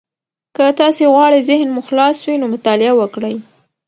که تاسي غواړئ ذهن مو خلاص وي، نو مطالعه وکړئ.